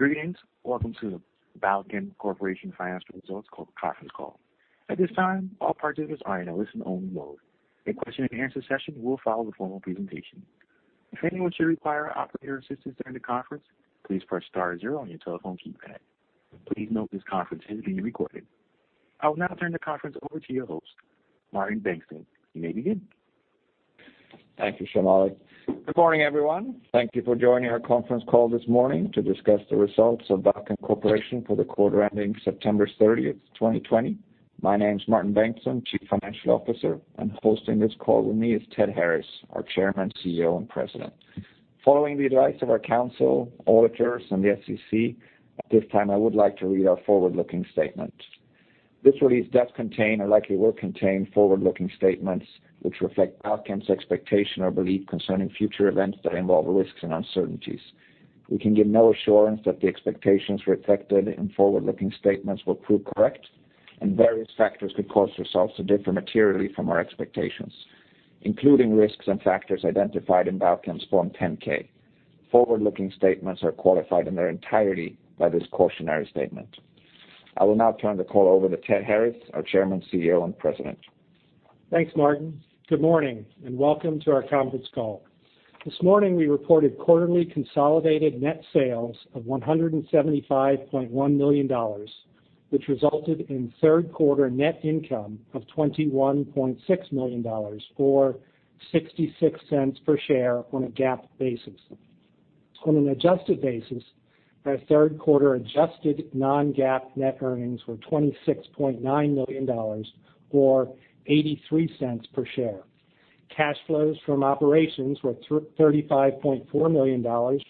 Greetings. Welcome to the Balchem Corporation Financial Results Conference Call. At this time, all participants are in a listen-only mode. A question-and-answer session will follow the formal presentation. If anyone should require operator assistance during the conference, please press star zero on your telephone keypad. Please note this conference is being recorded. I will now turn the conference over to your host, Martin Bengtsson. You may begin. Thank you, Shamali. Good morning, everyone. Thank you for joining our conference call this morning to discuss the results of Balchem Corporation for the quarter ending September 30th, 2020. My name is Martin Bengtsson, Chief Financial Officer, and hosting this call with me is Ted Harris, our Chairman, CEO, and President. Following the advice of our counsel, auditors, and the SEC, at this time, I would like to read our forward-looking statement. This release does contain and likely will contain forward-looking statements, which reflect Balchem's expectation or belief concerning future events that involve risks and uncertainties. We can give no assurance that the expectations reflected in forward-looking statements will prove correct, and various factors could cause results to differ materially from our expectations, including risks and factors identified in Balchem's Form 10-K. Forward-looking statements are qualified in their entirety by this cautionary statement. I will now turn the call over to Ted Harris, our Chairman, CEO, and President. Thanks, Martin. Good morning, and welcome to our conference call. This morning, we reported quarterly consolidated net sales of $175.1 million, which resulted in third-quarter net income of $21.6 million or $0.66 per share on a GAAP basis. On an adjusted basis, our third-quarter adjusted non-GAAP net earnings were $26.9 million or $0.83 per share. Cash flows from operations were $35.4 million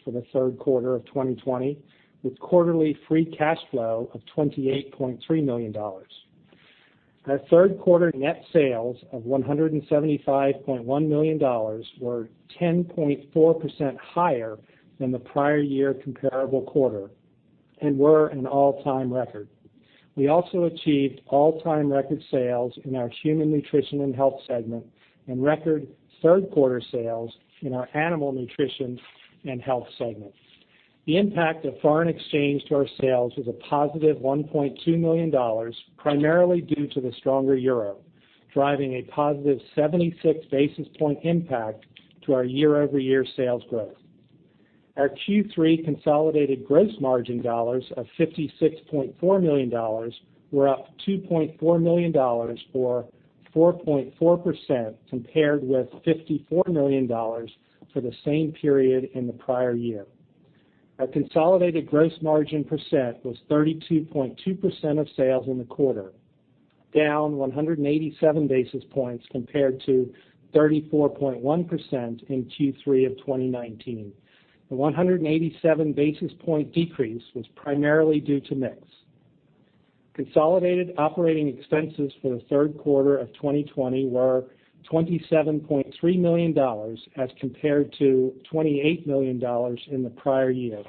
for the third quarter of 2020, with quarterly free cash flow of $28.3 million. Our third-quarter net sales of $175.1 million were 10.4% higher than the prior year comparable quarter and were an all-time record. We also achieved all-time record sales in our Human Nutrition and Health segment and record third-quarter sales in our Animal Nutrition and Health segment. The impact of foreign exchange to our sales was a positive $1.2 million, primarily due to the stronger euro, driving a positive 76 basis point impact to our year-over-year sales growth. Our Q3 consolidated gross margin dollars of $56.4 million were up $2.4 million or 4.4% compared with $54 million for the same period in the prior year. Our consolidated gross margin % was 32.2% of sales in the quarter, down 187 basis points compared to 34.1% in Q3 of 2019. The 187 basis point decrease was primarily due to mix. Consolidated operating expenses for the third quarter of 2020 were $27.3 million as compared to $28 million in the prior year.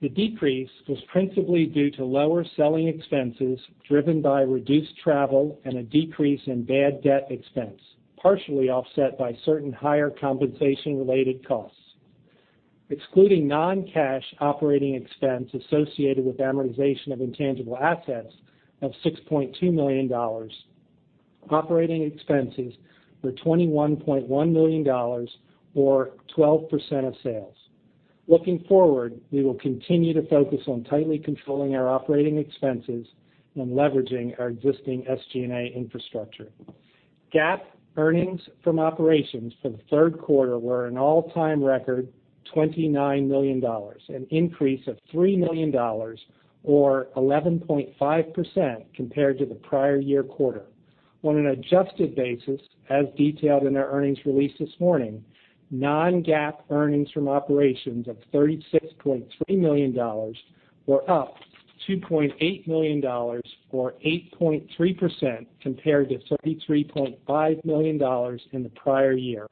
The decrease was principally due to lower selling expenses driven by reduced travel and a decrease in bad debt expense, partially offset by certain higher compensation-related costs. Excluding non-cash operating expense associated with amortization of intangible assets of $6.2 million, operating expenses were $21.1 million or 12% of sales. Looking forward, we will continue to focus on tightly controlling our operating expenses and leveraging our existing SG&A infrastructure. GAAP earnings from operations for the third quarter were an all-time record $29 million, an increase of $3 million or 11.5% compared to the prior year quarter. On an adjusted basis, as detailed in our earnings release this morning, non-GAAP earnings from operations of $36.3 million were up $2.8 million or 8.3% compared to $33.5 million in the prior year.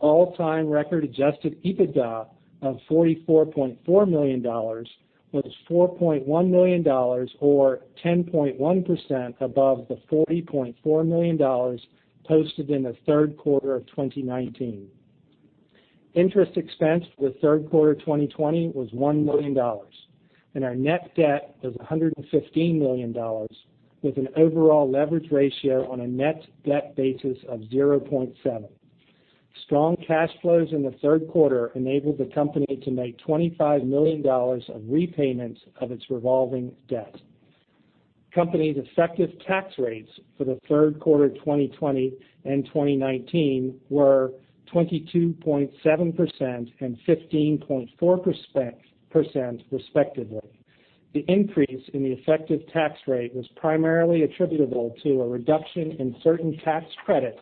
All-time record adjusted EBITDA of $44.4 million was $4.1 million or 10.1% above the $40.4 million posted in the third quarter of 2019. Interest expense for third quarter 2020 was $1 million, and our net debt was $115 million with an overall leverage ratio on a net debt basis of 0.7. Strong cash flows in the third quarter enabled the company to make $25 million of repayments of its revolving debt. Company's effective tax rates for the third quarter 2020 and 2019 were 22.7% and 15.4%, respectively. The increase in the effective tax rate was primarily attributable to a reduction in certain tax credits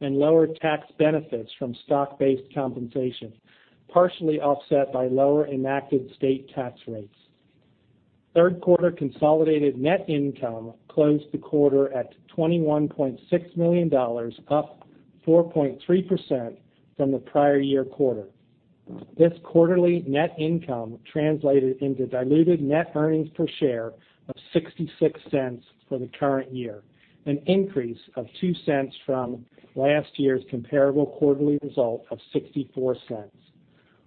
and lower tax benefits from stock-based compensation, partially offset by lower enacted state tax rates. Third quarter consolidated net income closed the quarter at $21.6 million, up 4.3% from the prior year quarter. This quarterly net income translated into diluted net earnings per share of $0.66 for the current year, an increase of $0.02 from last year's comparable quarterly result of $0.64.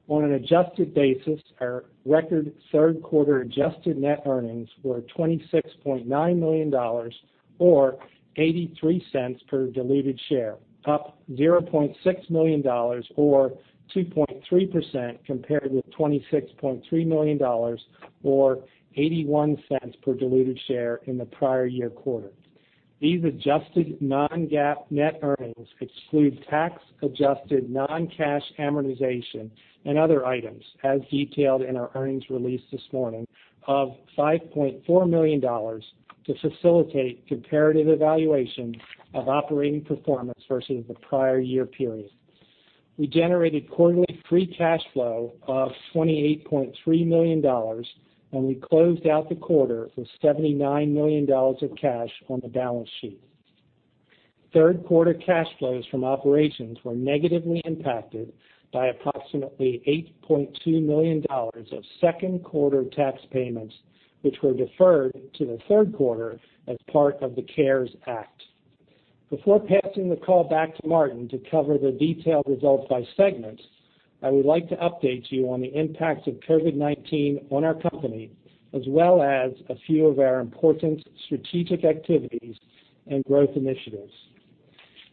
On an adjusted basis, our record third quarter adjusted net earnings were $26.9 million, or $0.83 per diluted share, up $0.6 million or 2.3% compared with $26.3 million or $0.81 per diluted share in the prior year quarter. These adjusted non-GAAP net earnings exclude tax-adjusted non-cash amortization and other items, as detailed in our earnings release this morning, of $5.4 million to facilitate comparative evaluations of operating performance versus the prior year period. We generated quarterly free cash flow of $28.3 million, and we closed out the quarter with $79 million of cash on the balance sheet. Third-quarter cash flows from operations were negatively impacted by approximately $8.2 million of second-quarter tax payments, which were deferred to the third quarter as part of the CARES Act. Before passing the call back to Martin to cover the detailed results by segment, I would like to update you on the impact of COVID-19 on our company, as well as a few of our important strategic activities and growth initiatives.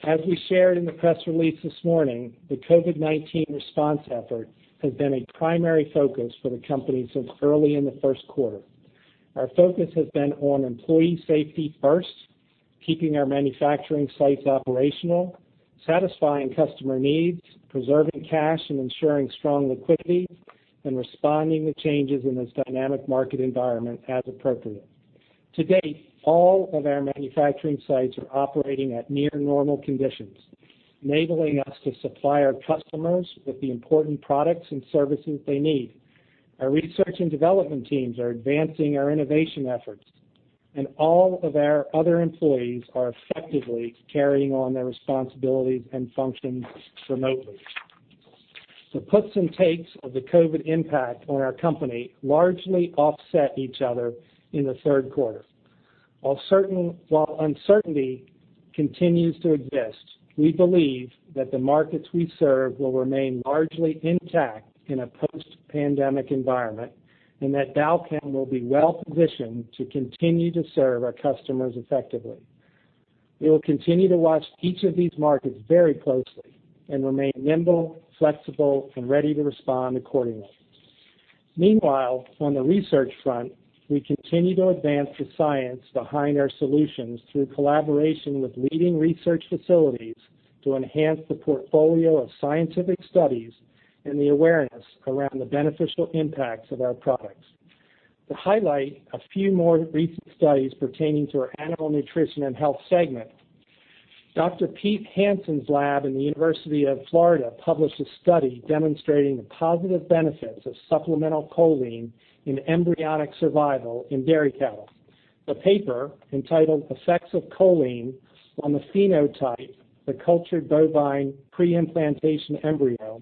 As we shared in the press release this morning, the COVID-19 response effort has been a primary focus for the company since early in the 1st quarter. Our focus has been on employee safety first, keeping our manufacturing sites operational, satisfying customer needs, preserving cash, and ensuring strong liquidity, and responding to changes in this dynamic market environment as appropriate. To date, all of our manufacturing sites are operating at near normal conditions, enabling us to supply our customers with the important products and services they need. Our research and development teams are advancing our innovation efforts, and all of our other employees are effectively carrying on their responsibilities and functions remotely. The puts and takes of the COVID impact on our company largely offset each other in the third quarter. While uncertainty continues to exist, we believe that the markets we serve will remain largely intact in a post-pandemic environment, and that Balchem will be well-positioned to continue to serve our customers effectively. We will continue to watch each of these markets very closely and remain nimble, flexible, and ready to respond accordingly. Meanwhile, on the research front, we continue to advance the science behind our solutions through collaboration with leading research facilities to enhance the portfolio of scientific studies and the awareness around the beneficial impacts of our products. To highlight a few more recent studies pertaining to our animal nutrition and health segment, Dr. Pete Hansen's lab in the University of Florida published a study demonstrating the positive benefits of supplemental choline in embryonic survival in dairy cattle. The paper, entitled "Effects of Choline on the Phenotype, the Cultured Bovine Pre-implantation Embryo."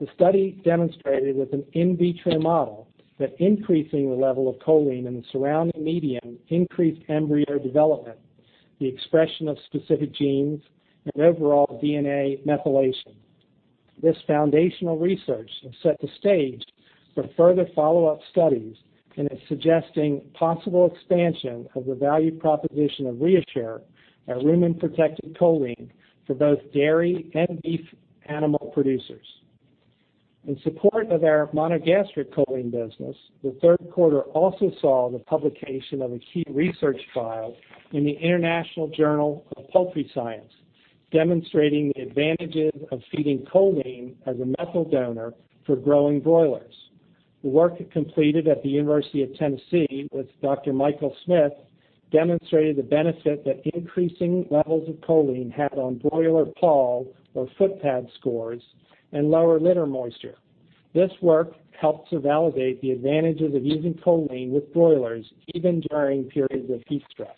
The study demonstrated with an in vitro model that increasing the level of choline in the surrounding medium increased embryo development, the expression of specific genes, and overall DNA methylation. This foundational research has set the stage for further follow-up studies and is suggesting possible expansion of the value proposition of Keyshure, our rumen-protected choline, for both dairy and beef animal producers. In support of our monogastric choline business, the third quarter also saw the publication of a key research file in the "International Journal of Poultry Science," demonstrating the advantages of feeding choline as a methyl donor for growing broilers. The work completed at the University of Tennessee with Dr. Michael Smith demonstrated the benefit that increasing levels of choline had on broiler paw or footpad scores and lower litter moisture. This work helps to validate the advantages of using choline with broilers, even during periods of heat stress.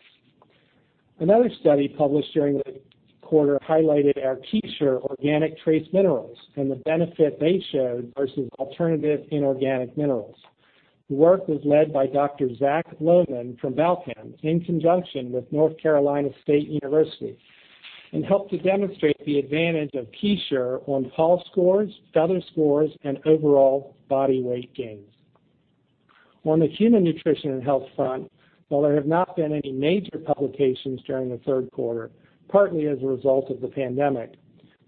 Another study published during the quarter highlighted our KeyShure organic trace minerals and the benefit they showed versus alternative inorganic minerals. The work was led by Dr. Zach Logan from Balchem in conjunction with North Carolina State University and helped to demonstrate the advantage of Keyshure on paw scores, feather scores, and overall body weight gains. On the human nutrition and health front, while there have not been any major publications during the third quarter, partly as a result of the pandemic,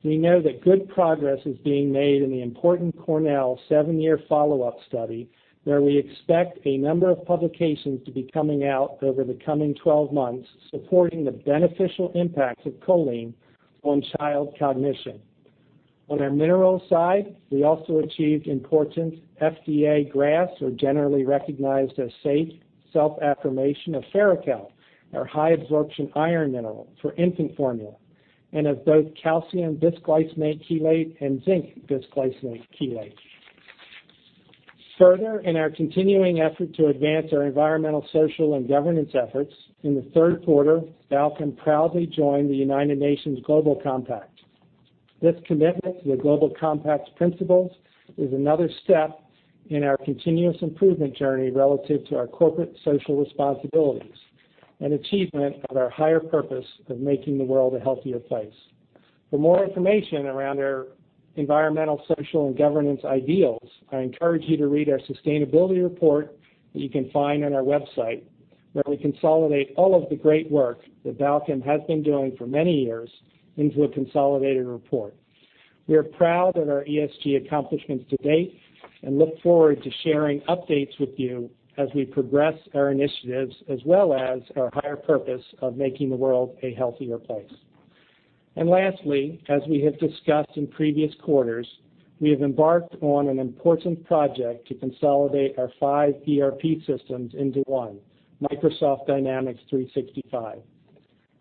we know that good progress is being made in the important Cornell seven-year follow-up study, where we expect a number of publications to be coming out over the coming 12 months supporting the beneficial impacts of choline on child cognition. On our minerals side, we also achieved important FDA GRAS, or Generally Recognized as Safe, self-affirmation of Ferrochel, our high-absorption iron mineral for infant formula, and of both calcium bisglycinate chelate and zinc bisglycinate chelate. Further, in our continuing effort to advance our environmental, social, and governance efforts, in the third quarter, Balchem proudly joined the United Nations Global Compact. This commitment to the Global Compact's principles is another step in our continuous improvement journey relative to our corporate social responsibilities and achievement of our higher purpose of making the world a healthier place. For more information around our environmental, social, and governance ideals, I encourage you to read our sustainability report that you can find on our website, where we consolidate all of the great work that Balchem has been doing for many years into a consolidated report. We are proud of our ESG accomplishments to date and look forward to sharing updates with you as we progress our initiatives, as well as our higher purpose of making the world a healthier place. Lastly, as we have discussed in previous quarters, we have embarked on an important project to consolidate our five ERP systems into one, Microsoft Dynamics 365.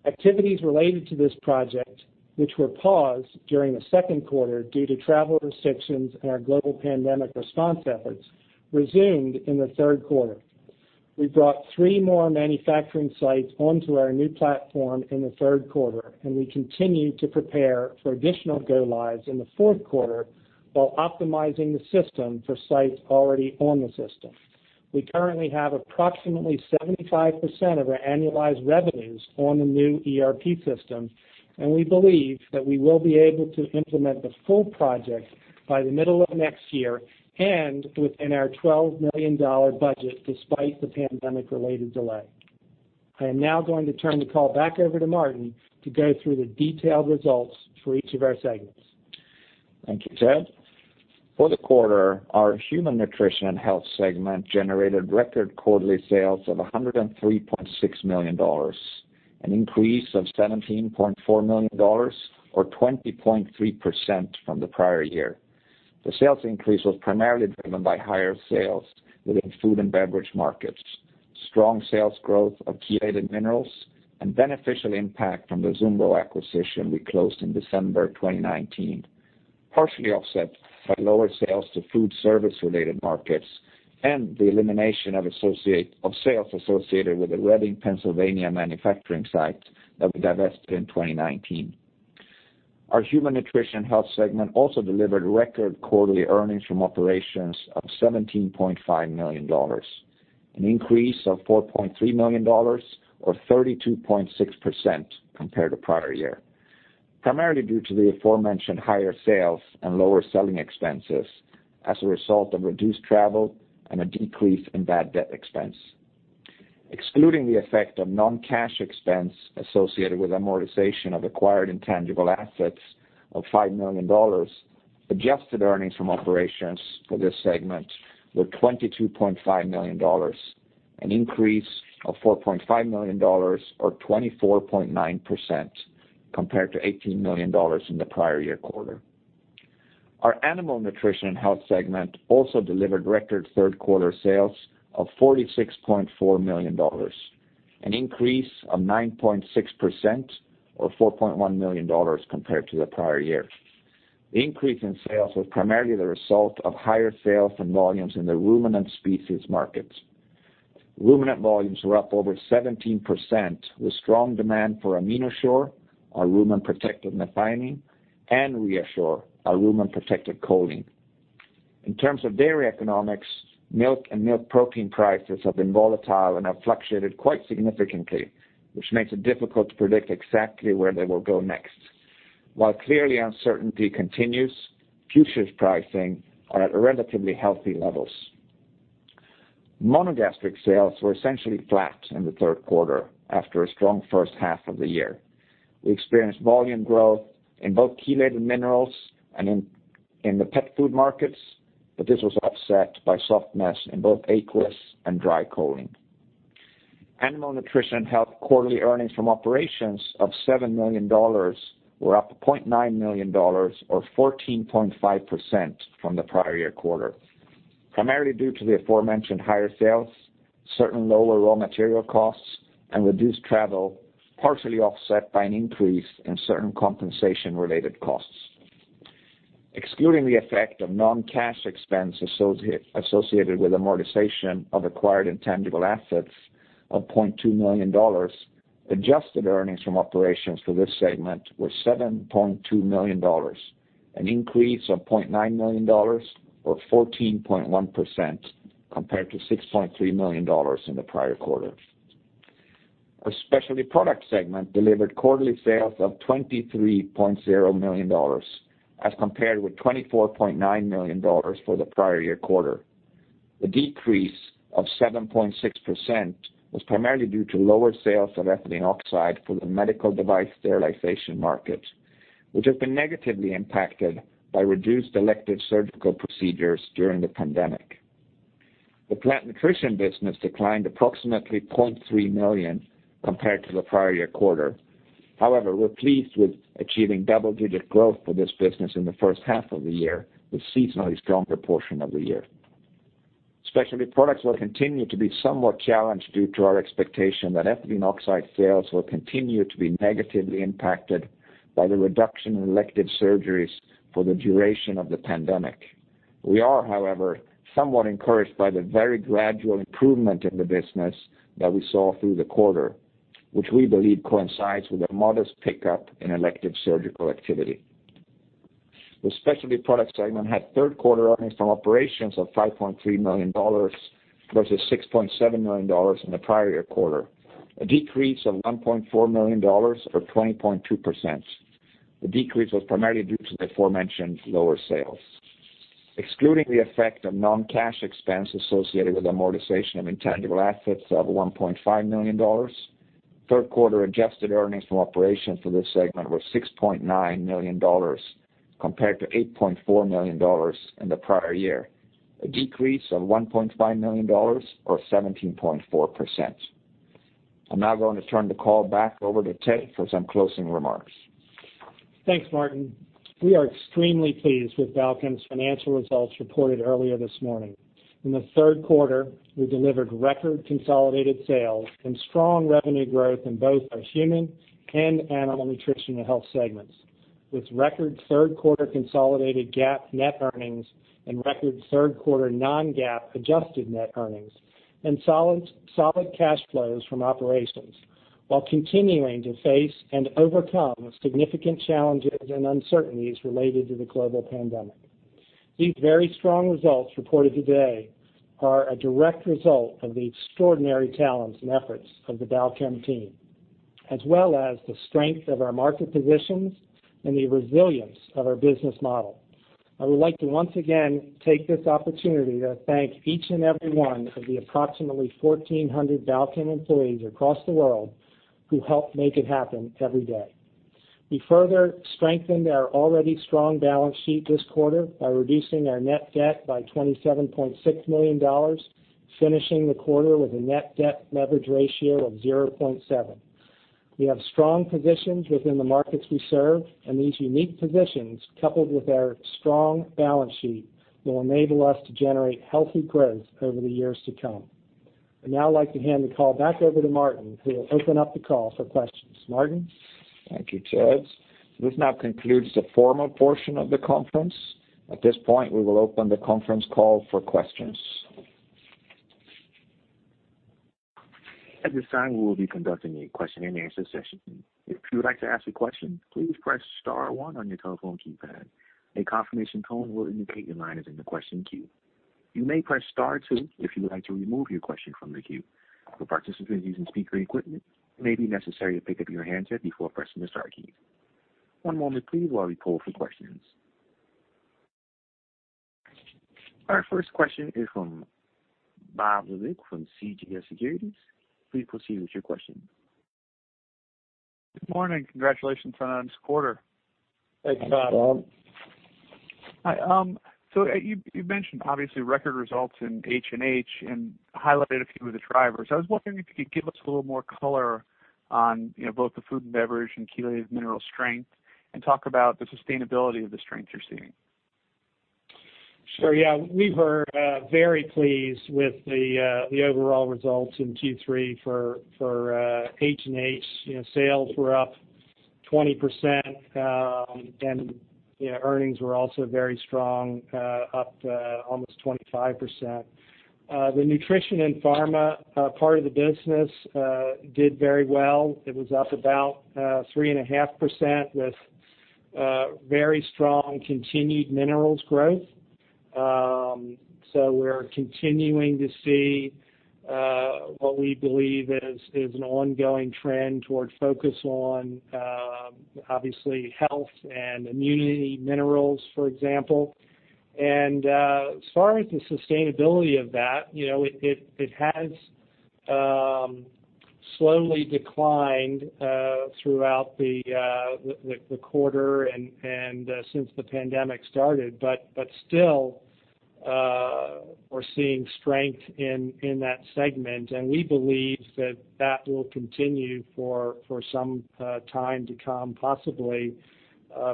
Activities related to this project, which were paused during the second quarter due to travel restrictions and our global pandemic response efforts, resumed in the third quarter. We brought three more manufacturing sites onto our new platform in the third quarter. We continue to prepare for additional go-lives in the fourth quarter while optimizing the system for sites already on the system. We currently have approximately 75% of our annualized revenues on the new ERP system. We believe that we will be able to implement the full project by the middle of next year and within our $12 million budget, despite the pandemic-related delay. I am now going to turn the call back over to Martin to go through the detailed results for each of our segments. Thank you, Ted. For the quarter, our Human Nutrition and Health segment generated record quarterly sales of $103.6 million, an increase of $17.4 million or 20.3% from the prior year. The sales increase was primarily driven by higher sales within food and beverage markets, strong sales growth of chelated minerals, and beneficial impact from the Zumbro acquisition we closed in December 2019, partially offset by lower sales to food service-related markets and the elimination of sales associated with the Reading, Pennsylvania manufacturing site that we divested in 2019. Our human nutrition health segment also delivered record quarterly earnings from operations of $17.5 million, an increase of $4.3 million or 32.6% compared to prior year, primarily due to the aforementioned higher sales and lower selling expenses as a result of reduced travel and a decrease in bad debt expense. Excluding the effect of non-cash expense associated with amortization of acquired intangible assets of $5 million, adjusted earnings from operations for this segment were $22.5 million, an increase of $4.5 million or 24.9% compared to $18 million in the prior year quarter. Our Animal Nutrition and Health segment also delivered record third quarter sales of $46.4 million, an increase of 9.6% or $4.1 million compared to the prior year. The increase in sales was primarily the result of higher sales and volumes in the ruminant species markets. Ruminant volumes were up over 17%, with strong demand for AminoShure, our rumen-protected methionine, and Keyshure, our rumen-protected choline. In terms of dairy economics, milk and milk protein prices have been volatile and have fluctuated quite significantly, which makes it difficult to predict exactly where they will go next. While clearly uncertainty continues, futures pricing are at relatively healthy levels. Monogastric sales were essentially flat in the third quarter after a strong first half of the year. We experienced volume growth in both chelated minerals and in the pet food markets, but this was offset by softness in both aqueous and dry choline. Animal Nutrition Health quarterly earnings from operations of $7 million were up $0.9 million or 14.5% from the prior year quarter, primarily due to the aforementioned higher sales, certain lower raw material costs, and reduced travel, partially offset by an increase in certain compensation related costs. Excluding the effect of non-cash expense associated with amortization of acquired intangible assets of $0.2 million, adjusted earnings from operations for this segment were $7.2 million, an increase of $0.9 million or 14.1% compared to $6.3 million in the prior quarter. Our Specialty Product segment delivered quarterly sales of $23.0 million as compared with $24.9 million for the prior year quarter. The decrease of 7.6% was primarily due to lower sales of ethylene oxide for the medical device sterilization market, which has been negatively impacted by reduced elective surgical procedures during the pandemic. The plant nutrition business declined approximately $0.3 million compared to the prior year quarter. However, we're pleased with achieving double-digit growth for this business in the first half of the year, the seasonally stronger portion of the year. Specialty products will continue to be somewhat challenged due to our expectation that ethylene oxide sales will continue to be negatively impacted by the reduction in elective surgeries for the duration of the pandemic. We are, however, somewhat encouraged by the very gradual improvement in the business that we saw through the quarter, which we believe coincides with a modest pickup in elective surgical activity. The specialty products segment had third quarter earnings from operations of $5.3 million versus $6.7 million in the prior year quarter. A decrease of $1.4 million or 20.2%. The decrease was primarily due to the aforementioned lower sales. Excluding the effect of non-cash expense associated with amortization of intangible assets of $1.5 million, third quarter adjusted earnings from operations for this segment were $6.9 million compared to $8.4 million in the prior year, a decrease of $1.5 million or 17.4%. I'm now going to turn the call back over to Ted for some closing remarks. Thanks, Martin. We are extremely pleased with Balchem's financial results reported earlier this morning. In the third quarter, we delivered record consolidated sales and strong revenue growth in both our human and animal nutrition and health segments, with record third quarter consolidated GAAP net earnings and record third quarter non-GAAP adjusted net earnings, and solid cash flows from operations while continuing to face and overcome significant challenges and uncertainties related to the global pandemic. These very strong results reported today are a direct result of the extraordinary talents and efforts of the Balchem team, as well as the strength of our market positions and the resilience of our business model. I would like to once again take this opportunity to thank each and every one of the approximately 1,400 Balchem employees across the world who help make it happen every day. We further strengthened our already strong balance sheet this quarter by reducing our net debt by $27.6 million, finishing the quarter with a net debt leverage ratio of 0.7. We have strong positions within the markets we serve. These unique positions, coupled with our strong balance sheet, will enable us to generate healthy growth over the years to come. I'd now like to hand the call back over to Martin, who will open up the call for questions. Martin? Thank you, Ted. This now concludes the formal portion of the conference. At this point, we will open the conference call for questions. At this time, we will be conducting a question-and-answer session. If you would like to ask a question, please press *1 on your telephone keypad. A confirmation tone will indicate your line is in the question queue. You may press *2 if you would like to remove your question from the queue. For participants using speaker equipment, it may be necessary to pick up your handset before pressing the star key. One moment please while we poll for questions. Our first question is from Bob Labick from CJS Securities. Please proceed with your question. Good morning. Congratulations on this quarter. Thanks, Bob. Thanks, Bob. Hi. You mentioned, obviously, record results in H&H and highlighted a few of the drivers. I was wondering if you could give us a little more color on both the food and beverage and chelated minerals strength, and talk about the sustainability of the strength you're seeing. Sure. Yeah. We were very pleased with the overall results in Q3 for H&H. Sales were up 20%, and earnings were also very strong, up almost 25%. The nutrition and pharma part of the business did very well. It was up about 3.5% with very strong continued minerals growth. We're continuing to see what we believe is an ongoing trend toward focus on, obviously, health and immunity minerals, for example. As far as the sustainability of that, it has slowly declined throughout the quarter and since the pandemic started. Still, we're seeing strength in that segment, and we believe that that will continue for some time to come, possibly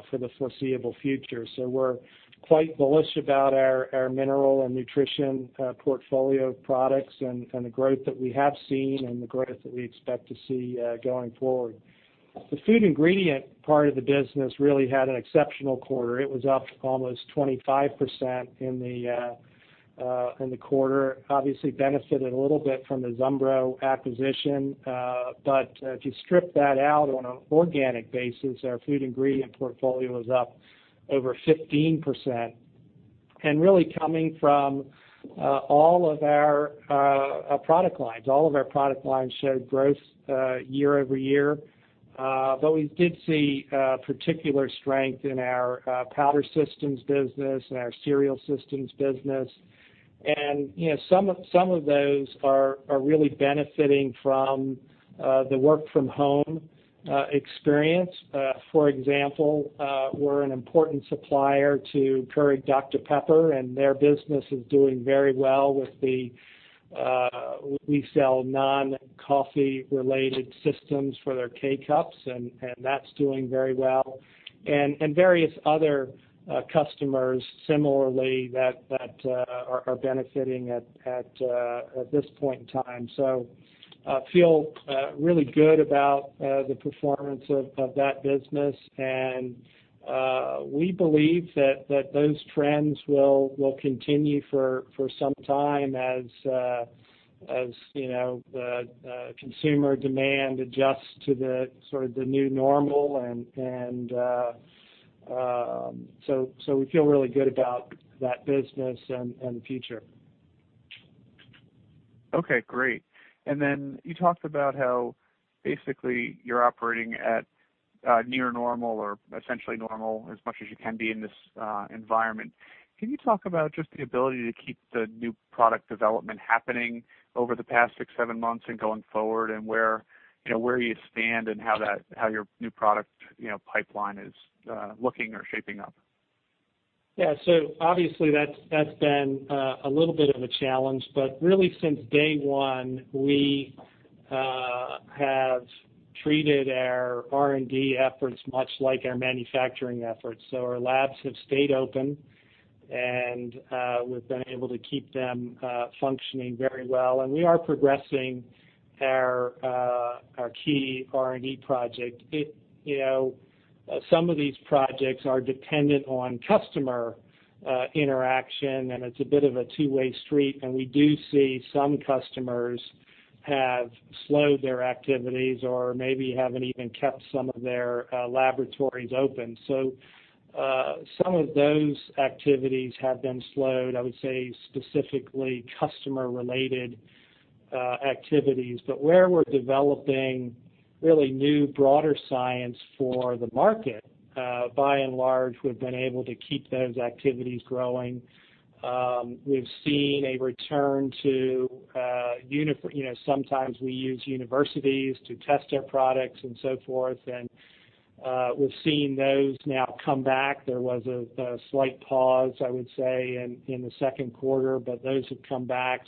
for the foreseeable future. We're quite bullish about our mineral and nutrition portfolio of products and the growth that we have seen and the growth that we expect to see going forward. The food ingredient part of the business really had an exceptional quarter. It was up almost 25% in the quarter. Obviously benefited a little bit from the Zumbro acquisition. If you strip that out on an organic basis, our food ingredient portfolio was up over 15%. Really coming from all of our product lines. All of our product lines showed growth year-over-year. We did see particular strength in our powder systems business and our cereal systems business. Some of those are really benefiting from the work-from-home experience. For example, we're an important supplier to Keurig Dr Pepper, and their business is doing very well. We sell non-coffee related systems for their K-Cups, and that's doing very well. Various other customers similarly that are benefiting at this point in time. Feel really good about the performance of that business, and we believe that those trends will continue for some time as the consumer demand adjusts to the new normal. We feel really good about that business and the future. Okay, great. You talked about how basically you're operating at near normal or essentially normal as much as you can be in this environment. Can you talk about just the ability to keep the new product development happening over the past six, seven months and going forward, and where you stand and how your new product pipeline is looking or shaping up? Yeah. Obviously that's been a little bit of a challenge, but really since day one, we have treated our R&D efforts much like our manufacturing efforts. Our labs have stayed open, and we've been able to keep them functioning very well. We are progressing our key R&D project. Some of these projects are dependent on customer interaction, and it's a bit of a two-way street, and we do see some customers have slowed their activities or maybe haven't even kept some of their laboratories open. Some of those activities have been slowed, I would say specifically customer-related activities. Where we're developing really new broader science for the market, by and large, we've been able to keep those activities growing. Sometimes we use universities to test our products and so forth, and we've seen those now come back. There was a slight pause, I would say, in the second quarter, but those have come back.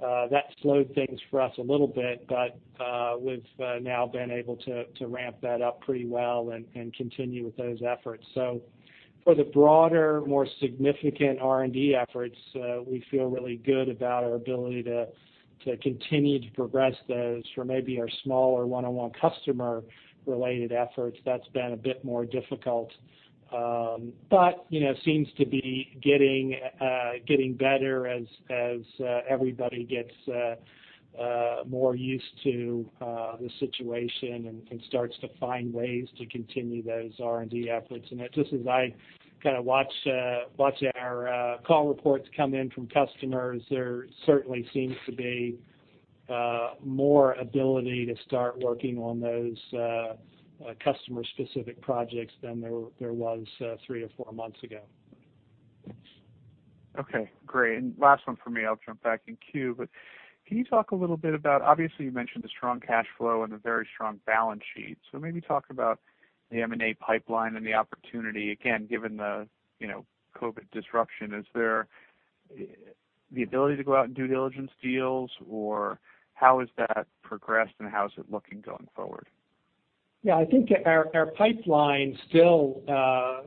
That slowed things for us a little bit. We've now been able to ramp that up pretty well and continue with those efforts. For the broader, more significant R&D efforts, we feel really good about our ability to continue to progress those. For maybe our smaller one-on-one customer-related efforts, that's been a bit more difficult. Seems to be getting better as everybody gets more used to the situation and starts to find ways to continue those R&D efforts. Just as I watch our call reports come in from customers, there certainly seems to be more ability to start working on those customer-specific projects than there was three or four months ago. Okay, great. Last one from me. I'll jump back in queue. Can you talk a little bit about, obviously you mentioned the strong cash flow and the very strong balance sheet, so maybe talk about the M&A pipeline and the opportunity, again, given the COVID disruption. Is there the ability to go out and due diligence deals, or how has that progressed, and how is it looking going forward? Yeah, I think our pipeline still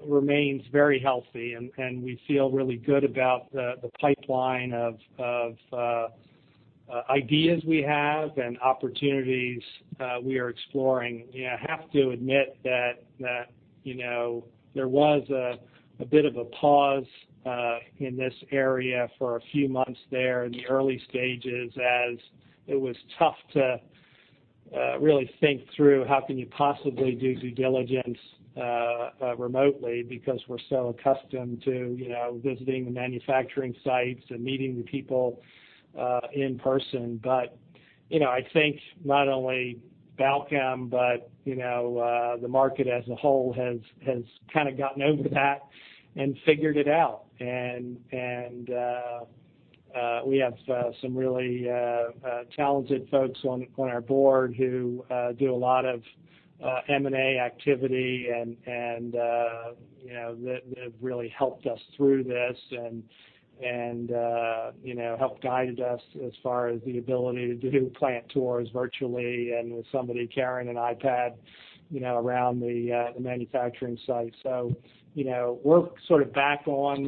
remains very healthy, and we feel really good about the pipeline of ideas we have and opportunities we are exploring. I have to admit that there was a bit of a pause in this area for a few months there in the early stages as it was tough to really think through how can you possibly do due diligence remotely because we're so accustomed to visiting the manufacturing sites and meeting the people in person. I think not only Balchem but the market as a whole has kind of gotten over that and figured it out. We have some really talented folks on our board who do a lot of M&A activity and that have really helped us through this and helped guided us as far as the ability to do plant tours virtually and with somebody carrying an iPad around the manufacturing site. We're sort of back on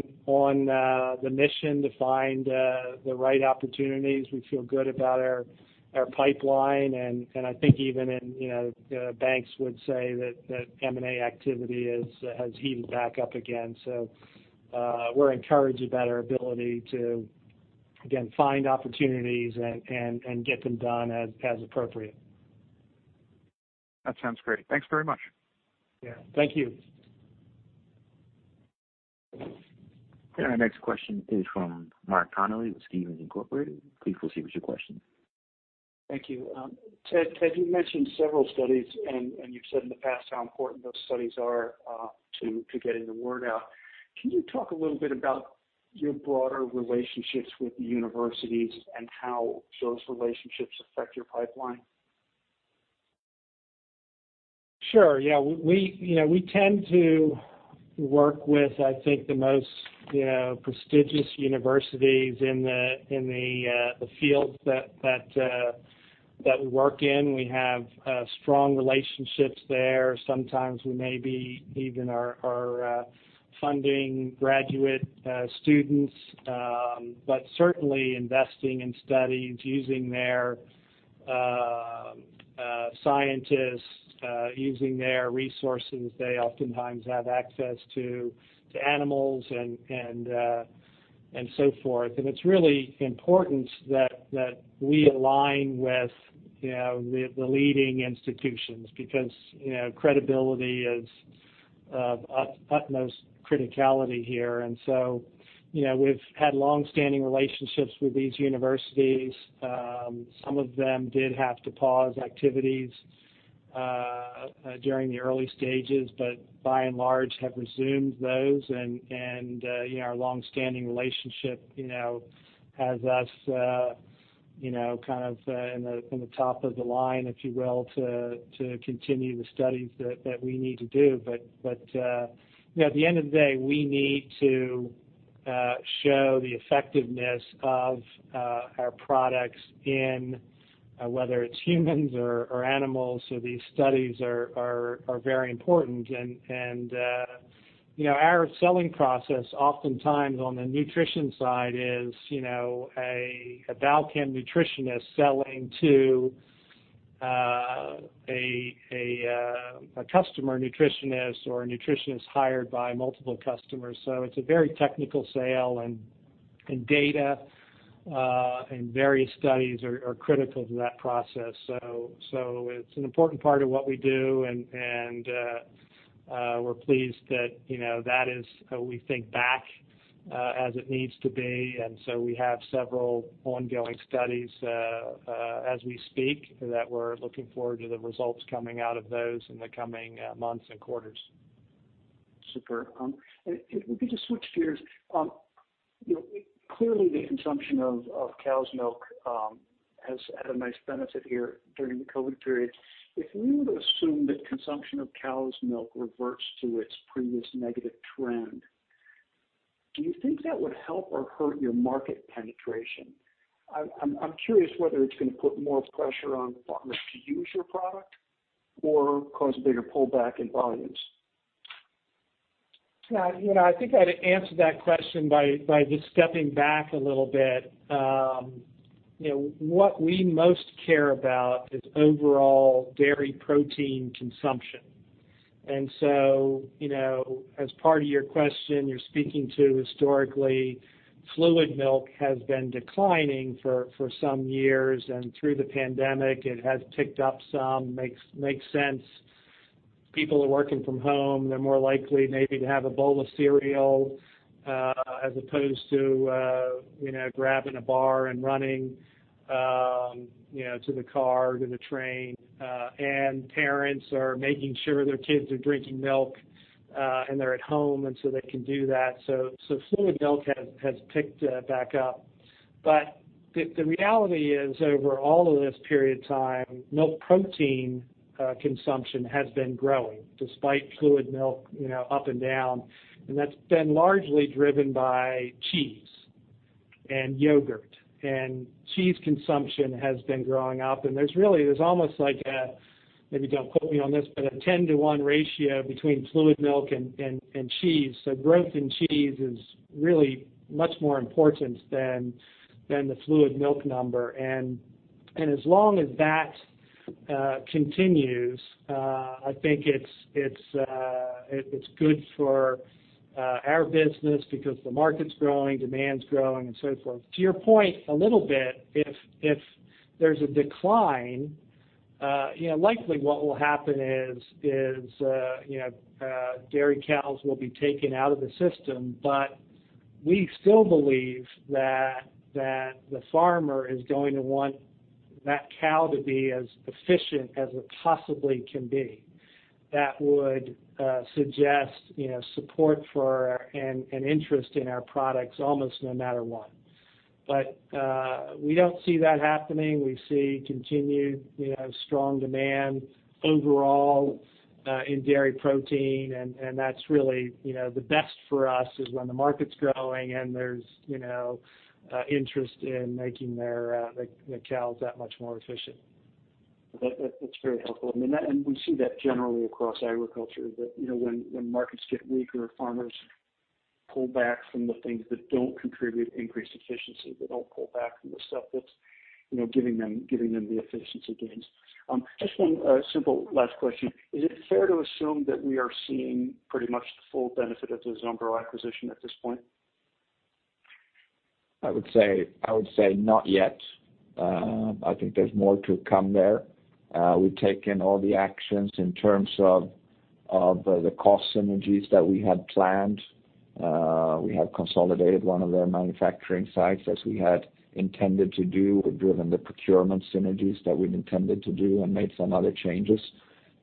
the mission to find the right opportunities. We feel good about our pipeline, and I think even the banks would say that M&A activity has heated back up again. We're encouraged about our ability to, again, find opportunities and get them done as appropriate. That sounds great. Thanks very much. Yeah. Thank you. Our next question is from Mark Connelly with Stephens Incorporated. Please proceed with your question. Thank you. Ted, you mentioned several studies and you've said in the past how important those studies are to getting the word out. Can you talk a little bit about your broader relationships with the universities and how those relationships affect your pipeline? Sure. Yeah. We tend to work with, I think, the most prestigious universities in the fields that we work in. We have strong relationships there. Sometimes we may be even are funding graduate students, certainly investing in studies, using their scientists, using their resources. They oftentimes have access to animals and so forth. It's really important that we align with the leading institutions because credibility is of utmost criticality here. We've had longstanding relationships with these universities. Some of them did have to pause activities during the early stages, but by and large have resumed those, and our longstanding relationship has us in the top of the line, if you will, to continue the studies that we need to do. At the end of the day, we need to show the effectiveness of our products in, whether it's humans or animals. These studies are very important. Our selling process oftentimes on the nutrition side is, a Balchem nutritionist selling to a customer nutritionist or a nutritionist hired by multiple customers. It's a very technical sale, and data and various studies are critical to that process. It's an important part of what we do, and we're pleased that is, we think, back as it needs to be. We have several ongoing studies, as we speak, that we're looking forward to the results coming out of those in the coming months and quarters. Super. If we could just switch gears. Clearly the consumption of cow's milk has had a nice benefit here during the COVID period. If we were to assume that consumption of cow's milk reverts to its previous negative trend, do you think that would help or hurt your market penetration? I'm curious whether it's going to put more pressure on farmers to use your product or cause a bigger pullback in volumes. I think I'd answer that question by just stepping back a little bit. What we most care about is overall dairy protein consumption. As part of your question, you're speaking to historically, fluid milk has been declining for some years, and through the pandemic, it has ticked up some. Makes sense. People are working from home. They're more likely maybe to have a bowl of cereal, as opposed to grabbing a bar and running to the car or to the train. Parents are making sure their kids are drinking milk, and they're at home, and so they can do that. Fluid milk has ticked back up. The reality is, over all of this period of time, milk protein consumption has been growing despite fluid milk up and down. That's been largely driven by cheese and yogurt. Cheese consumption has been growing up, and there's really almost like a, maybe don't quote me on this, but a 10 to 1 ratio between fluid milk and cheese. Growth in cheese is really much more important than the fluid milk number. As long as that continues, I think it's good for our business because the market's growing, demand's growing, and so forth. To your point, a little bit, if there's a decline, likely what will happen is, dairy cows will be taken out of the system. We still believe that the farmer is going to want that cow to be as efficient as it possibly can be. That would suggest support for and an interest in our products almost no matter what. We don't see that happening. We see continued strong demand overall in dairy protein, and that's really the best for us, is when the market's growing and there's interest in making their cows that much more efficient. That's very helpful. We see that generally across agriculture, that when markets get weaker, farmers pull back from the things that don't contribute increased efficiency. They don't pull back from the stuff that's giving them the efficiency gains. Just one simple last question. Is it fair to assume that we are seeing pretty much the full benefit of the Zumbro acquisition at this point? I would say not yet. I think there's more to come there. We've taken all the actions in terms of the cost synergies that we had planned. We have consolidated one of their manufacturing sites as we had intended to do. We've driven the procurement synergies that we'd intended to do and made some other changes.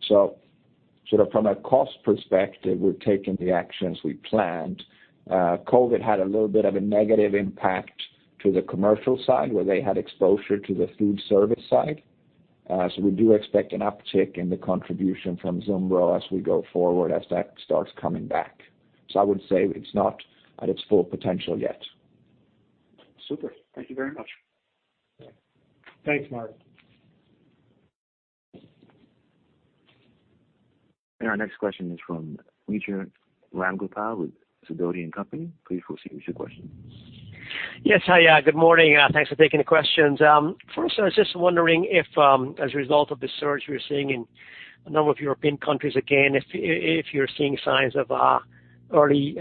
From a cost perspective, we've taken the actions we planned. COVID had a little bit of a negative impact to the commercial side, where they had exposure to the food service side. We do expect an uptick in the contribution from Zumbro as we go forward, as that starts coming back. I would say it's not at its full potential yet. Super, thank you very much. Thanks, Mark. Our next question is from Mitra Ramgopal with Sidoti & Company. Please proceed with your question. Yes. Hi, good morning. Thanks for taking the questions. I was just wondering if, as a result of the surge we're seeing in a number of European countries again, if you're seeing signs of early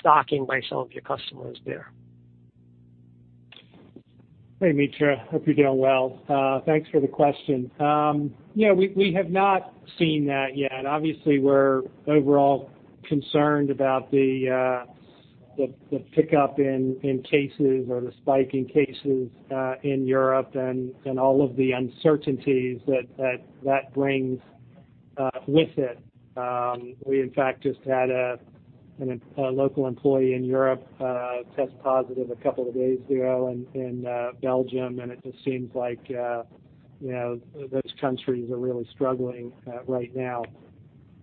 stocking by some of your customers there? Hey, Mitra. Hope you're doing well. Thanks for the question. We have not seen that yet. We're overall concerned about the pickup in cases or the spike in cases in Europe and all of the uncertainties that brings with it. We, in fact, just had a local employee in Europe test positive a couple of days ago in Belgium. It just seems like those countries are really struggling right now.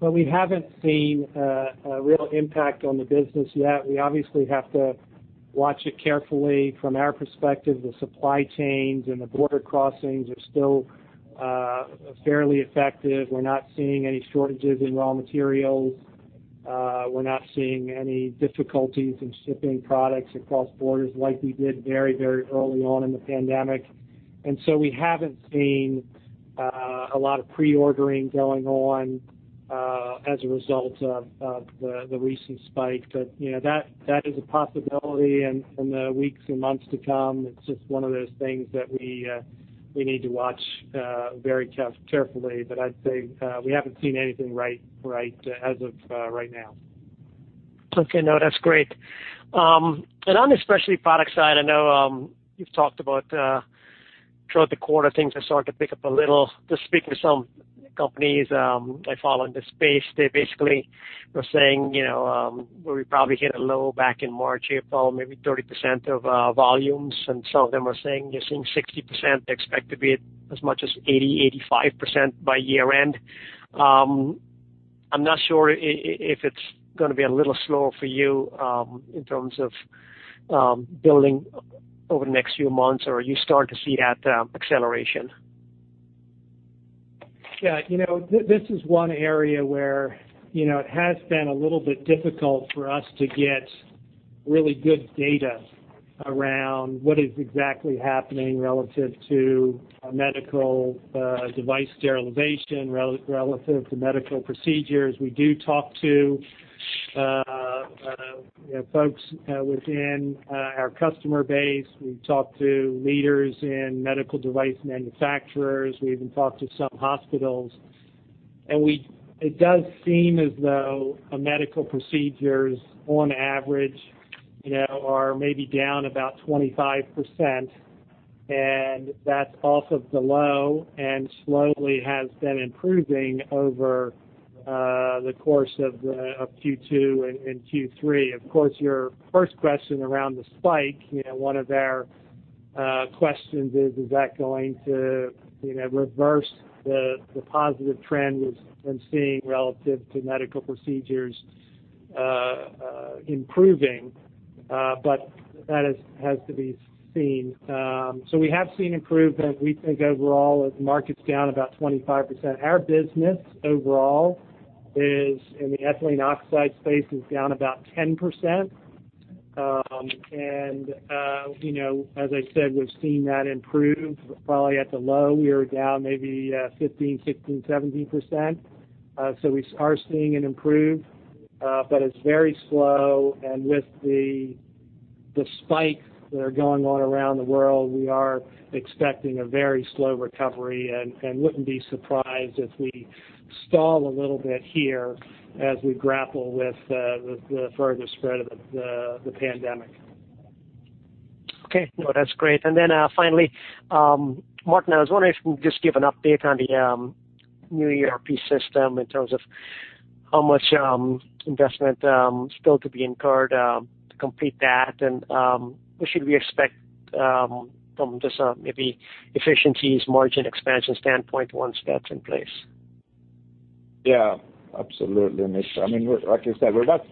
We haven't seen a real impact on the business yet. We obviously have to watch it carefully. From our perspective, the supply chains and the border crossings are still fairly effective. We're not seeing any shortages in raw materials. We're not seeing any difficulties in shipping products across borders like we did very early on in the pandemic. We haven't seen a lot of pre-ordering going on as a result of the recent spike. That is a possibility in the weeks and months to come. It's just one of those things that we need to watch very carefully. I'd say we haven't seen anything as of right now. Okay. No, that's great. On the specialty product side, I know you've talked about throughout the quarter, things are starting to pick up a little. Just speaking to some companies I follow in this space, they basically were saying, where we probably hit a low back in March, April, maybe 30% of volumes. Some of them are saying they're seeing 60%, they expect to be as much as 80%, 85% by year-end. I'm not sure if it's going to be a little slower for you in terms of building over the next few months, or are you starting to see that acceleration? Yeah. This is one area where it has been a little bit difficult for us to get really good data around what is exactly happening relative to medical device sterilization, relative to medical procedures. We do talk to folks within our customer base. We talk to leaders in medical device manufacturers. We even talk to some hospitals. It does seem as though medical procedures, on average, are maybe down about 25%, and that's off of the low, and slowly has been improving over the course of Q2 and Q3. Of course, your first question around the spike, one of their questions is that going to reverse the positive trend we've been seeing relative to medical procedures improving? That has to be seen. We have seen improvement. We think overall the market's down about 25%. Our business overall is in the ethylene oxide space, is down about 10%. As I said, we've seen that improve. Probably at the low, we were down maybe 15%, 16%, 17%. We are seeing it improve, but it's very slow, and with the spikes that are going on around the world, we are expecting a very slow recovery and wouldn't be surprised if we stall a little bit here as we grapple with the further spread of the pandemic. Okay. No, that's great. Finally, Martin, I was wondering if you could just give an update on the new ERP system in terms of how much investment still to be incurred to complete that, and what should we expect from just maybe efficiencies, margin expansion standpoint once that's in place? Absolutely, Mitra. Like you said, we're about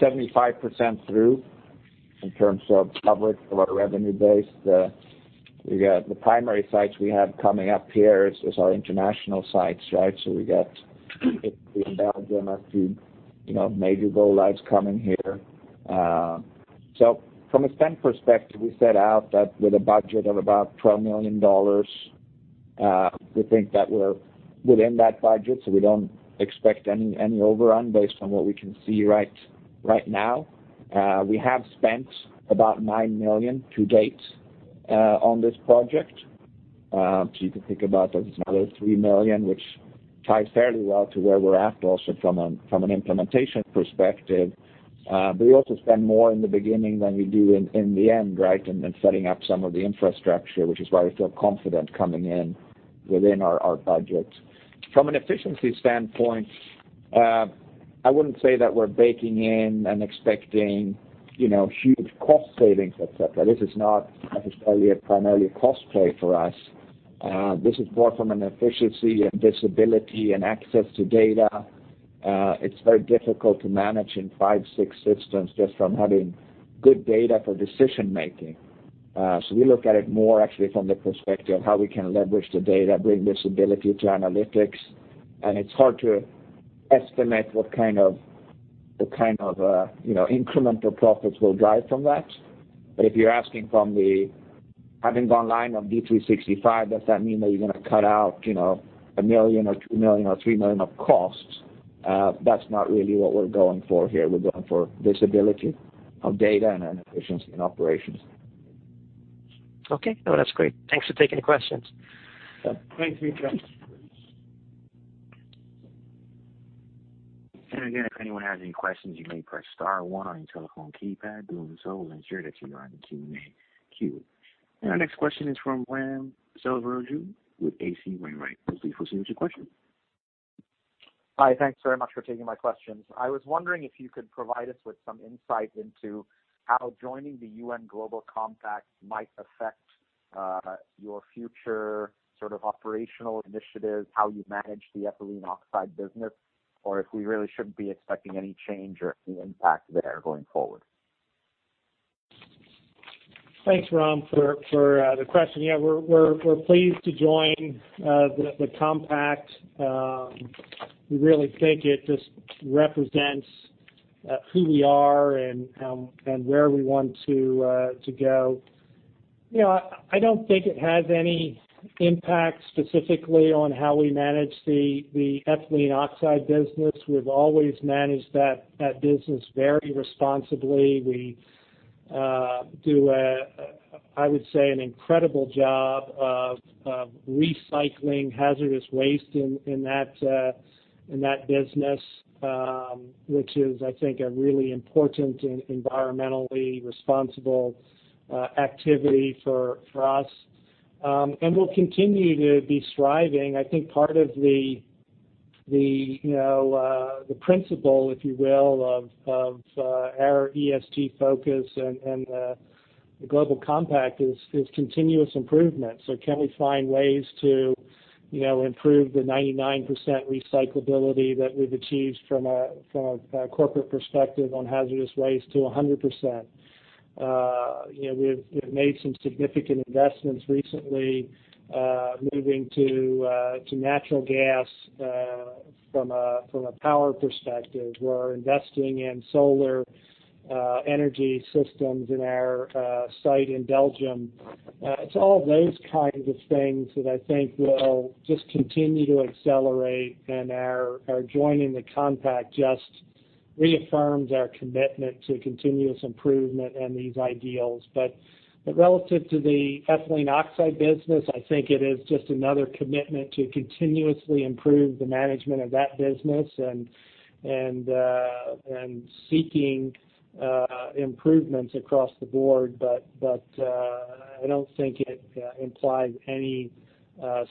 75% through in terms of public or revenue base. The primary sites we have coming up here is our international sites, right? We got Belgium, a few major go-lives coming here. From a spend perspective, we set out that with a budget of about $12 million. We think that we're within that budget, we don't expect any overrun based on what we can see right now. We have spent about $9 million to date on this project. You can think about there's another $3 million, which ties fairly well to where we're at also from an implementation perspective. We also spend more in the beginning than we do in the end, right? In setting up some of the infrastructure, which is why we feel confident coming in within our budget. From an efficiency standpoint, I wouldn't say that we're baking in and expecting huge cost savings, et cetera. This is not necessarily a primarily cost play for us. This is more from an efficiency and visibility and access to data. It's very difficult to manage in five, six systems just from having good data for decision-making. We look at it more actually from the perspective of how we can leverage the data, bring visibility to analytics, and it's hard to estimate what kind of incremental profits we'll drive from that. If you're asking from the having gone live on D365, does that mean that you're going to cut out $1 million or $2 million or $3 million of costs? That's not really what we're going for here. We're going for visibility of data and efficiency in operations. Okay. No, that's great. Thanks for taking the questions. Thanks for your time. Again, if anyone has any questions, you may press star one on your telephone keypad. Doing so will ensure that you are in the Q&A queue. Our next question is from Raghuram Selvaraju with H.C. Wainwright. Please proceed with your question. Hi. Thanks very much for taking my questions. I was wondering if you could provide us with some insight into how joining the UN Global Compact might affect your future operational initiatives, how you manage the ethylene oxide business, or if we really shouldn't be expecting any change or any impact there going forward. Thanks, Ram, for the question. Yeah, we're pleased to join the Compact. We really think it just represents who we are and where we want to go. I don't think it has any impact specifically on how we manage the ethylene oxide business. We've always managed that business very responsibly. We do, I would say, an incredible job of recycling hazardous waste in that business, which is, I think, a really important and environmentally responsible activity for us. We'll continue to be striving. I think part of the principle, if you will, of our ESG focus and the Global Compact is continuous improvement. Can we find ways to improve the 99% recyclability that we've achieved from a corporate perspective on hazardous waste to 100%? We've made some significant investments recently, moving to natural gas from a power perspective. We're investing in solar energy systems in our site in Belgium. It's all those kinds of things that I think will just continue to accelerate, and our joining the Compact just reaffirms our commitment to continuous improvement and these ideals. Relative to the ethylene oxide business, I think it is just another commitment to continuously improve the management of that business and seeking improvements across the board. I don't think it implies any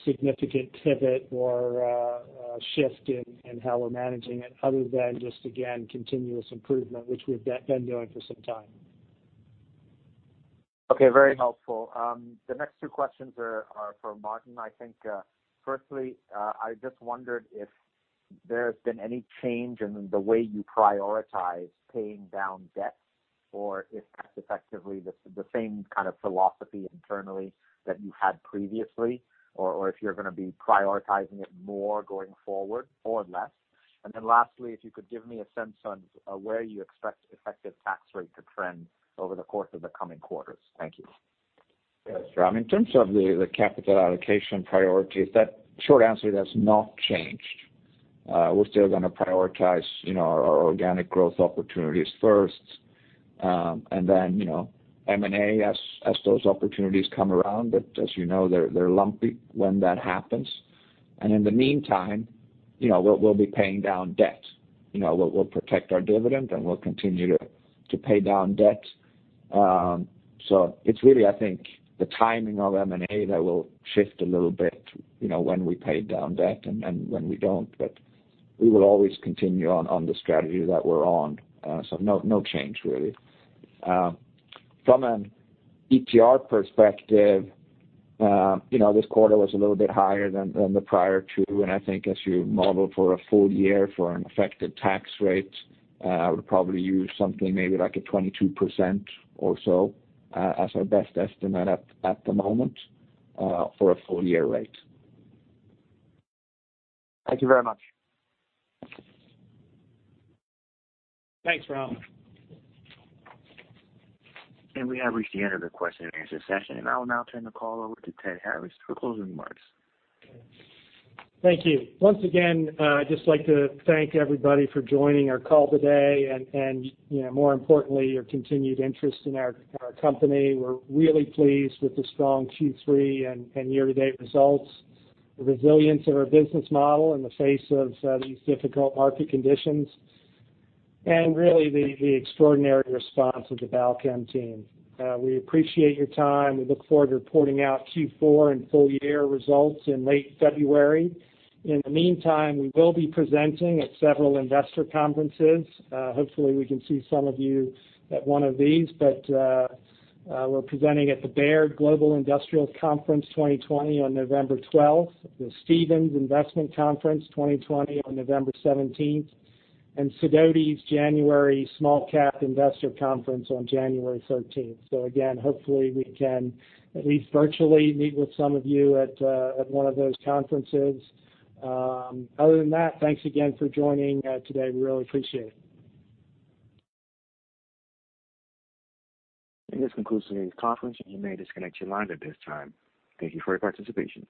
significant pivot or shift in how we're managing it, other than just, again, continuous improvement, which we've been doing for some time. Okay. Very helpful. The next two questions are for Martin, I think. Firstly, I just wondered if there's been any change in the way you prioritize paying down debt, or if that's effectively the same kind of philosophy internally that you had previously, or if you're going to be prioritizing it more going forward or less. Lastly, if you could give me a sense on where you expect effective tax rate to trend over the course of the coming quarters. Thank you. Yes, Ram. In terms of the capital allocation priorities, the short answer, that's not changed. We're still going to prioritize our organic growth opportunities first, then M&A as those opportunities come around. As you know, they're lumpy when that happens. In the meantime, we'll be paying down debt. We'll protect our dividend, and we'll continue to pay down debt. It's really, I think, the timing of M&A that will shift a little bit, when we pay down debt and when we don't. We will always continue on the strategy that we're on. No change really. From an ETR perspective, this quarter was a little bit higher than the prior two. I think as you model for a full year for an effective tax rate, I would probably use something maybe like a 22% or so as our best estimate at the moment for a full-year rate. Thank you very much. Thanks, Ram. We have reached the end of the question and answer session, and I will now turn the call over to Ted Harris for closing remarks. Thank you. Once again, just like to thank everybody for joining our call today, and more importantly, your continued interest in our company. We're really pleased with the strong Q3 and year-to-date results, the resilience of our business model in the face of these difficult market conditions, and really the extraordinary response of the Balchem team. We appreciate your time. We look forward to reporting out Q4 and full-year results in late February. In the meantime, we will be presenting at several investor conferences. Hopefully, we can see some of you at one of these, but we're presenting at the Baird Global Industrials Conference 2020 on November 12th, the Stephens Investment Conference 2020 on November 17th, and Sidoti's January Small Cap Investor Conference on January 13th. Again, hopefully, we can at least virtually meet with some of you at one of those conferences. Other than that, thanks again for joining today. We really appreciate it. This concludes today's conference. You may disconnect your lines at this time. Thank you for your participation.